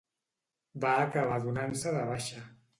Va acabar donant-se de baixa.